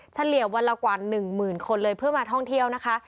เฉลี่ยวันละกว่า๑หมื่นคนเลยเพื่อมาท่องเที่ยวนะคะ